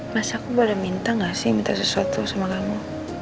mas aku baru minta gak sih minta sesuatu sama kamu